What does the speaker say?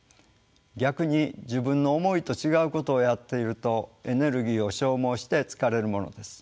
逆に自分の思いと違うことをやっているとエネルギーを消耗して疲れるものです。